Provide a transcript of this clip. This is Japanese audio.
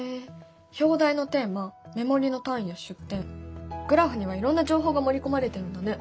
表題のテーマ目盛りの単位や出典グラフにはいろんな情報が盛り込まれてるんだね。